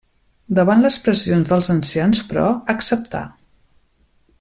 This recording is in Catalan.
Davant les pressions dels ancians però, acceptà.